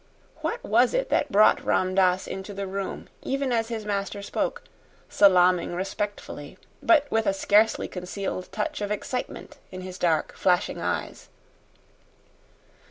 What was it that brought Ram Dass into the room even as his master spoke salaaming respectfully, but with a scarcely concealed touch of excitement in his dark, flashing eyes?